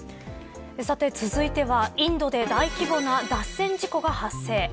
続いては、インドで大規模な脱線事故が発生。